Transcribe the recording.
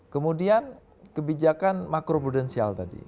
kemudian kebijakan makro prudensial tadi